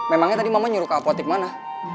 memangnya tadi mama nyuruh ke apotek mana